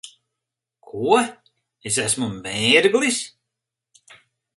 Ko? Es esmu mērglis?